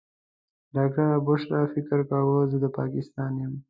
ډاکټره بشرا فکر کاوه زه د پاکستان یم.